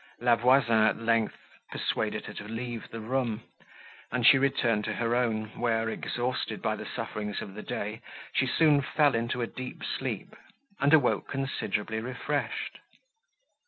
La Voisin, at length, persuaded her to leave the room, and she returned to her own, where, exhausted by the sufferings of the day, she soon fell into deep sleep, and awoke considerably refreshed.